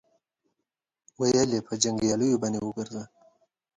ويې ويل: په جنګياليو باندې وګرځه.